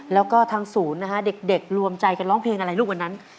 แล้วก็ทางศูนย์นะฮะเด็กรวมใจกันร้องเพลงอะไรลูกวันนั้น